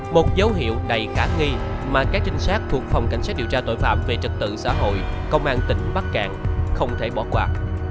một dấu hiệu đầy khả nghi mà các trinh sát thuộc phòng cảnh sát điều tra tội phạm về trật tự xã hội công an tỉnh bắc cạn không thể bỏ qua